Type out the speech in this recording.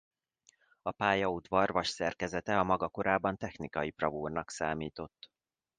A pályaudvar vasszerkezete a maga korában technikai bravúrnak számított.